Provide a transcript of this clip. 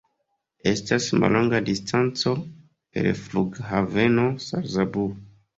Estas mallonga distanco el Flughaveno Salzburg.